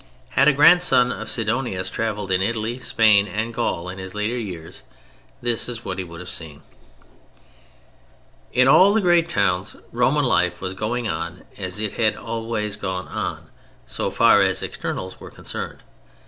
Had a grandson of Sidonius traveled in Italy, Spain and Gaul in his later years, this is what he would have seen: In all the great towns Roman life was going on as it had always gone on, so far as externals were concerned.